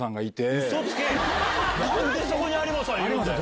何で有馬さんいるんだよ！